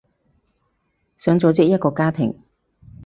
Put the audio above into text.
想組織一個家庭